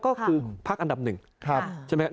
ก็คือพักอันดับหนึ่งใช่ไหม